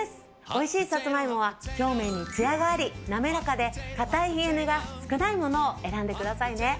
おいしいサツマイモは表面にツヤがありなめらかでかたいひげ根が少ないものを選んでくださいね。